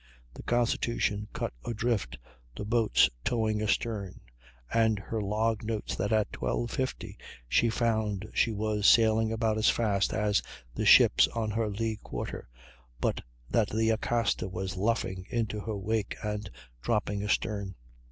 The Constitution cut adrift the boats towing astern, and her log notes that at 12.50 she found she was sailing about as fast as the ships on her lee quarter, but that the Acasta was luffing into her wake and dropping astern.